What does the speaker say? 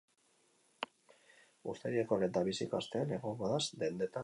Uztaileko lehendabiziko astean egongo da dendetan salgai.